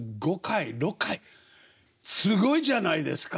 すごいじゃないですか。